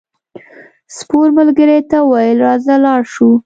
سپور ملګري ته وویل راځه لاړ شو.